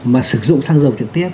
mà sử dụng sang dầu trực tiếp